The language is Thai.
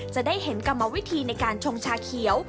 จะได้เห็นกรรมวิธีในการชงชาเขียว